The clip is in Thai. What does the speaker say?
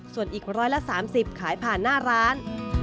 ส่วนอีก๑๓๐ขายผ่านหน้าร้าน